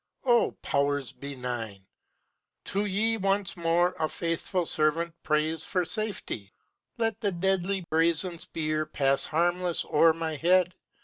O powers benign! To ye once more a faithful servant prays For safety! Let the deadly brazen spear Pass harmless o'er my head!